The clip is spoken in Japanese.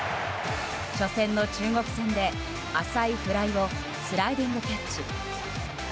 初戦の中国戦で浅いフライをスライディングキャッチ。